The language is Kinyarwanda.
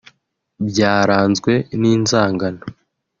byaranzwe n’inzangano